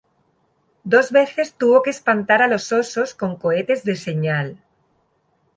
Dos veces tuvo que espantar a los osos con cohetes de señal.